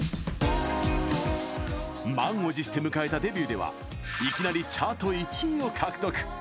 満を持して迎えたデビューではいきなりチャート１位を獲得。